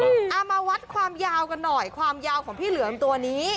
เอามาวัดความยาวกันหน่อยความยาวของพี่เหลือมตัวนี้